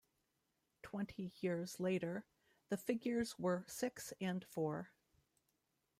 Twenty years later the figures were six and four.